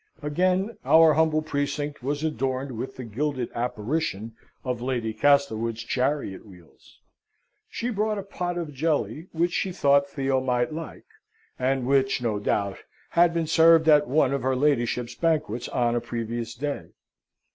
Again our humble precinct was adorned with the gilded apparition of Lady Castlewood's chariot wheels; she brought a pot of jelly, which she thought Theo might like, and which, no doubt, had been served at one of her ladyship's banquets on a previous day.